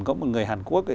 có một người hàn quốc